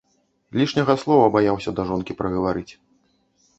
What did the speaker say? Лішняга слова баяўся да жонкі прагаварыць.